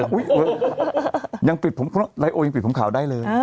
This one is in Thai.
อุ้ยโอ้ยยังปิดผมไลน์โอยังปิดผมข่าวได้เลย